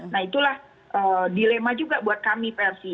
nah itulah dilema juga buat kami versi